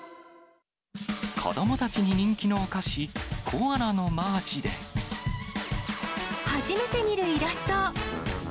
子どもたちに人気のお菓子、初めて見るイラスト！